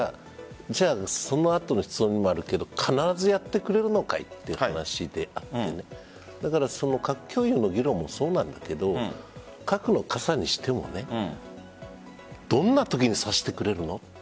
その後の質問にもあるけど必ずやってくれるのかいという話であって核共有の議論もそうなんだけれども核の傘にしてもどんなときに差してくれるの？